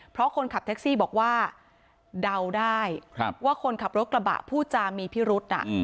เพราะคนขับแท็กซี่บอกว่าเดาได้ว่าคนขับรถกระบะผู้จามีพิรุษ